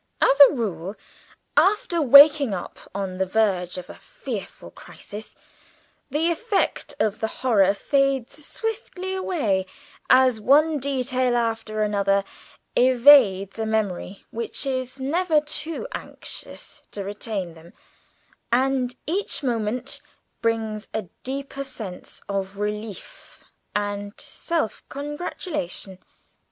As a rule, after waking up on the verge of a fearful crisis, the effect of the horror fades swiftly away, as one detail after another evades a memory which is never too anxious to retain them, and each moment brings a deeper sense of relief and self congratulation.